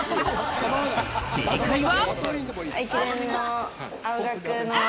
正解は。